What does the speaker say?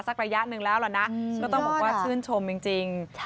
ระยะหนึ่งแล้วล่ะนะก็ต้องบอกว่าชื่นชมจริง